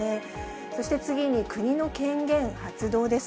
そして次に国の権限発動です。